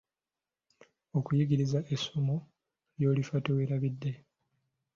Akuyigirizza essomo ly'olifa teweerabidde!